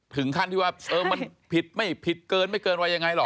ถึงขั้นที่ว่าเออมันผิดไม่เกินไว้ยังไงหรอก